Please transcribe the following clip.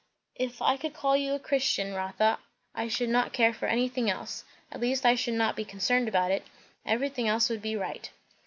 "If I could call you a Christian, Rotha, I should not care for anything else; at least I should not be concerned about it. Everything else would be right."